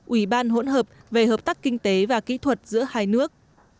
ủy ban hỗn hợp về hợp tác kinh tế và kỹ thuật giữa hai nước